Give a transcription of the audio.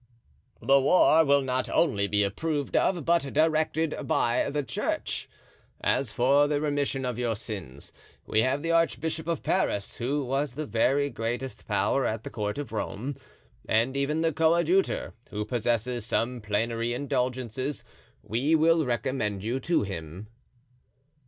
"The war will not only be approved of, but directed by the church. As for the remission of your sins, we have the archbishop of Paris, who has the very greatest power at the court of Rome, and even the coadjutor, who possesses some plenary indulgences; we will recommend you to him."